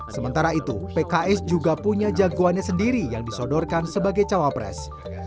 sementara itu pks juga punya jagoannya sendiri yang disodorkan sebagai cawapres